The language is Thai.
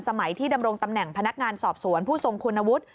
สมัยที่ดำรงตำแหน่งพนักงานสอบสวนผู้ทรงคุณวุฒิ